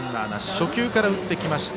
初球から打ってきました